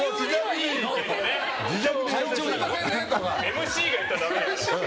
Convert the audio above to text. ＭＣが言っちゃダメだろ。